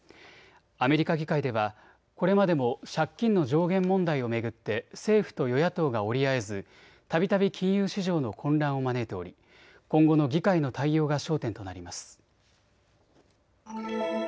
アメリカ議会ではこれまでも借金の上限問題を巡って政府と与野党が折り合えずたびたび金融市場の混乱を招いており今後の議会の対応が焦点となります。